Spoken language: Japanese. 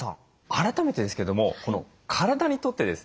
改めてですけども体にとってですね